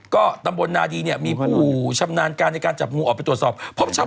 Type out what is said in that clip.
ก็ตำบลนาดีมีผู้ชำนาญในการจับงูออกไปตรวจสอบ